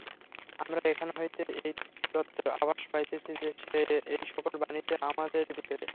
আমরা এখান হইতে এই তত্ত্বের আভাস পাইতেছি যে, এই-সকল বাণী আমাদেরই ভিতরে।